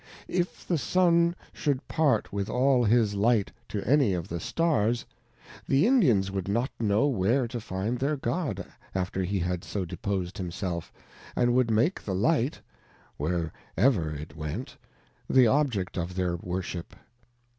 If the Sun shou'd part with all his Light to any of the Stars, the Indians would not know where to find their God, after he had so deposed himself, and would make the Light (where ever it went) the Object of their Worship.